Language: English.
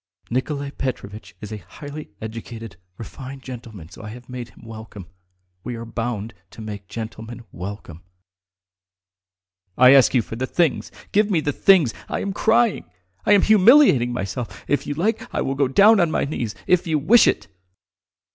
Nikolay Petrovitch is a highly educated, refined gentleman, so I've made him welcome. We are bound to make gentlemen welcome." "I ask you for the things! Give me the things! I am crying. ... I am humiliating myself. ... If you like I will go down on my knees! If you wish it!"